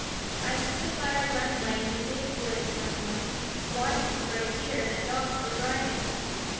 I stood by a runway in the big woods one morning, watching for a deer that dogs were driving.